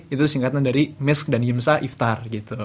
itu singkatan dari misk dan imsa iftar